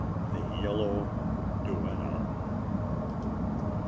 THE YELLOW DUENNA.